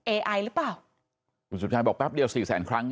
ไอหรือเปล่าคุณสุชายบอกแป๊บเดียวสี่แสนครั้ง